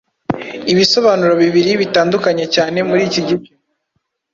ibisobanuro bibiri bitandukanye cyane muriki gice